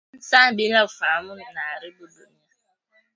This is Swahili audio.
Sayansa bila ufaamu inaaribu dunia